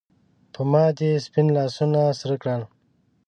پۀ ما دې سپین لاسونه سرۀ کړل